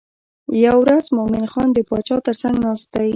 یوه ورځ مومن خان د باچا تر څنګ ناست دی.